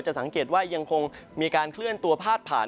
สังเกตว่ายังคงมีการเคลื่อนตัวพาดผ่าน